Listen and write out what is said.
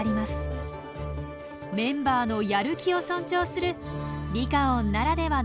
メンバーのやる気を尊重するリカオンならではの役割分担です。